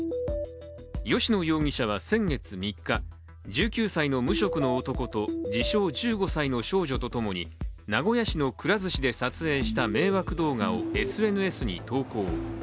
吉野容疑者は先月３日、１９歳の無職音男と自称１５歳の少女と共に名古屋市のくら寿司で撮影した迷惑動画をＳＮＳに投稿。